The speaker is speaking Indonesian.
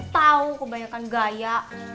tau kebanyakan gaya